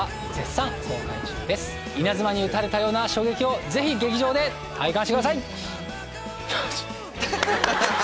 稲妻に打たれたような衝撃をぜひ劇場で体感してください！